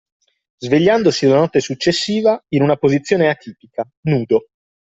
Svegliandosi la notte successiva in una posizione atipica, nudo.